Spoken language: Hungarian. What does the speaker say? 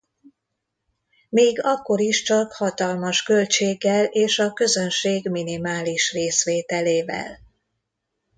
Még akkor is csak hatalmas költséggel és a közönség minimális részvételével.